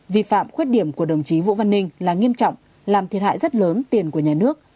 vi phạm khuyết điểm của đồng chí vũ văn ninh là nghiêm trọng làm thiệt hại rất lớn tiền của nhà nước